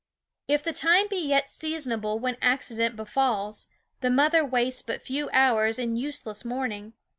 If the time be yet seasonable when acci dent befalls, the mother wastes but few hours in useless mourning.